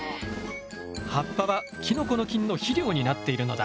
葉っぱはきのこの菌の肥料になっているのだ。